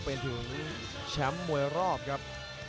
เป็นถึงแชมป์มวยรอบครับ